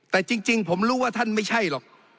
แต่จริงผมรู้ว่าท่านไม่ใช่หรอก